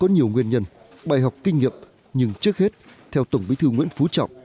nhiều nguyên nhân bài học kinh nghiệm nhưng trước hết theo tổng bí thư nguyễn phú trọng